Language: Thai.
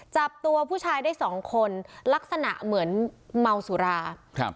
จับตัวผู้ชายได้สองคนลักษณะเหมือนเมาสุราครับ